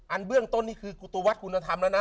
อันเบื้องต้นนี่คือตัววัดคุณธรรมแล้วนะ